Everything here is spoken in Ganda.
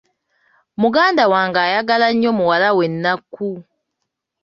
Muganda wange ayagala nnyo muwala we Nakku.